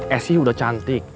eh sih udah cantik